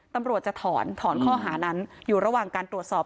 ตำรวจจะถอนถอนข้อหานั้นอยู่ระหว่างการตรวจสอบ